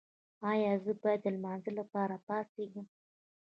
ایا زه باید د لمانځه لپاره پاڅیږم؟